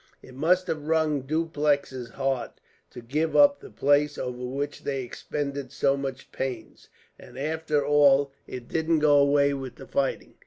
"It must have wrung Dupleix's heart to give up the place over which they expended so much pains, and after all it didn't do away with the fighting.